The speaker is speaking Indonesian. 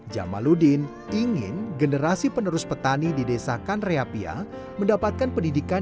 jamaludin ingin generasi penerus petani di desa kanreapia mendapatkan pendidikan